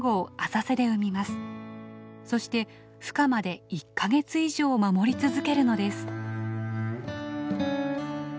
そしてふ化まで１か月以上守り続けるのです。